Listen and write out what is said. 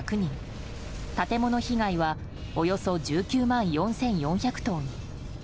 建物被害はおよそ１９万４４００棟に。